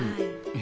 え？